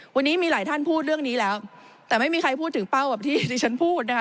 วันนี้มีหลายท่านพูดเรื่องนี้แล้วแต่ไม่มีใครพูดถึงเป้าแบบที่ดิฉันพูดนะคะ